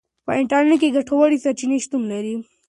په انټرنیټ کې ګټورې سرچینې شتون لري.